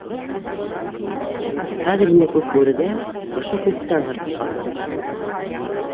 Хәҙер инде Күкбүрегә ошо Күктау һырты ҡалды.